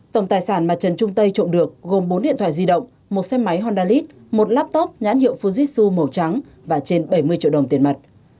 tổng tài sản mà trần trung tây trộm được gồm bốn điện thoại di động một xe máy hondalit một laptop nhãn hiệu fujitsu màu trắng và trên bảy mươi triệu đồng tiền mặt